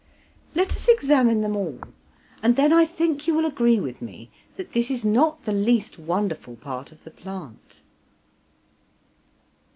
Let us examine them all, and then I think you will agree with me that this is not the least wonderful part of the plant.